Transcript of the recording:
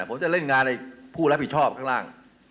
ผมจะเล่นงานในผู้รับผิดชอบข้างล่าง